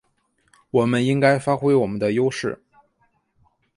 我们应该发挥我们的优势